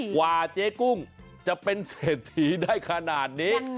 กว่าเจ๊กุ้งจะเป็นเศรษฐีได้ขนาดนี้